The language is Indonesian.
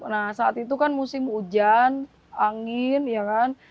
nah saat itu kan musim hujan angin ya kan